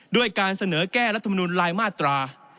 ด้วยการเสนอแก้รัฐมนุนลายมาตรา